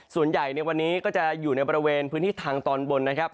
ส่วนใหญ่ในวันนี้ก็จะอยู่ในบริเวณพื้นที่ทางตอนบนนะครับ